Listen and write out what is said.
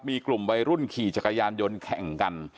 มีกลุ่มวัยรุ่นขี่จักรยานยนต์แข่งกัน